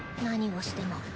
何をしても。